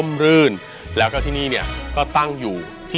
ไม่ต้องนั่งหรอก